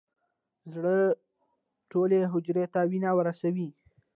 زړه ټولې حجرې ته وینه رسوي.